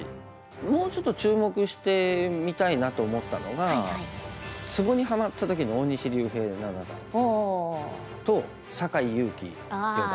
もうちょっと注目して見たいなと思ったのがツボにハマった時の大西竜平七段と酒井佑規四段。